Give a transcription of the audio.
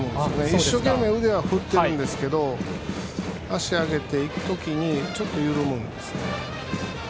一生懸命、腕は振っていますが足を上げていく時にちょっと緩むんですね。